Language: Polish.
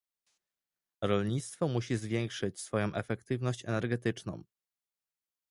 Rolnictwo musi zwiększyć swoją efektywność energetyczną